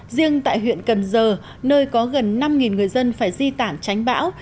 riêng tại huyện cần giờ nơi có gần năm người dân phải di tản tránh bão